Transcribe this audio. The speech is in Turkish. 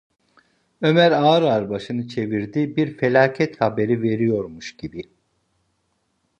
Ömer ağır ağır başını çevirdi, bir felaket haberi veriyormuş gibi: